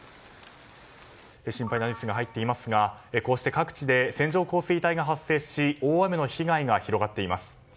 心配なニュースが入っていますがこうして各地で線状降水帯が発生し大雨の被害が広がっています。